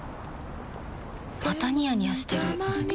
またニヤニヤしてるふふ。